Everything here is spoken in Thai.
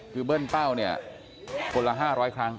คือเบิ้ลเป้าเนี่ยคนละ๕๐๐ครั้ง